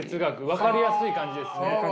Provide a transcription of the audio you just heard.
分かりやすい感じですね。